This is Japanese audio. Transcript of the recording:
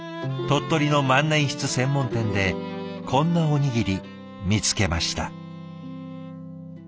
鳥取の万年筆専門店でこんなおにぎり見つけました。